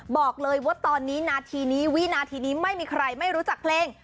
บอกเลยว่าตอนนี้นาทีนี้วินาทีนี้ไม่มีใครไม่รู้จักเพลง